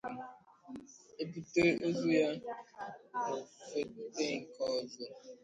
e bute ozu ya n'ofete nke ọzọ.